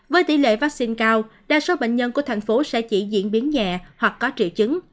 với tỷ lệ vaccine cao đa số bệnh nhân của thành phố sẽ chỉ diễn biến nhẹ hoặc có triệu chứng